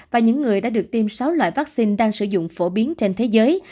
và những người đã được tiêm sáu loại vaccine đang sử dụng phổ biến trên thế giới